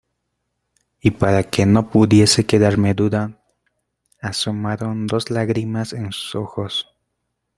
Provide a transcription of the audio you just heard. y para que no pudiese quedarme duda, asomaron dos lágrimas en sus ojos.